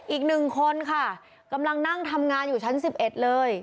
อีกหนึ่งคนค่ะกำลังนั่งทำงานอยู่ชั้น๑๑เลย